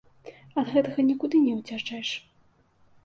Ад гэтага нікуды не уцячэш.